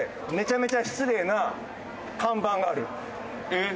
えっ？